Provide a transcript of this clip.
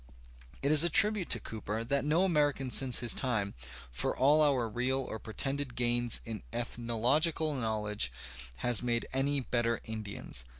It is a tribute to Cooper that no American since his time, for all our real or pretended gains in ethnological knowledge, has made any better Indians.